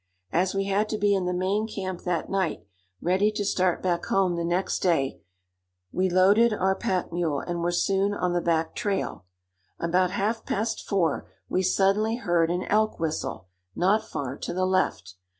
As we had to be in the main camp that night, ready to start back home the next day, we loaded our pack mule and were soon on the back trail. About half past four we suddenly heard an elk whistle, not far to the left.